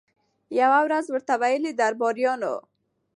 یوه ورځ ورته ویله درباریانو